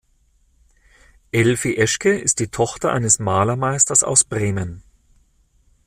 Elfi Eschke ist die Tochter eines Malermeisters aus Bremen.